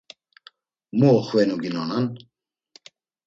Mu oxvenu ginonan?